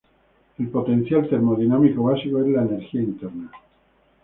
El potencial termodinámico básico es la energía interna.